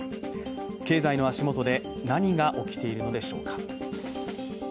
経済の足元で、何が起きているのでしょうか。